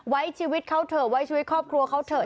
ไว้ชีวิตเขาเถอะไว้ชีวิตครอบครัวเขาเถอะ